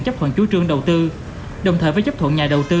chấp thuận chú trương đầu tư đồng thời với chấp thuận nhà đầu tư